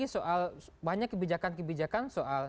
soal banyak kebijakan kebijakan